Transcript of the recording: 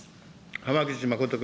浜口誠君。